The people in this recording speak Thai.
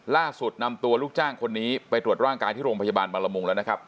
ล่าสุดนำตัวลูกจ้างคนนี้ไปตรวจร่างกายที่โรงพยาบาลบางละมุงแล้วนะครับ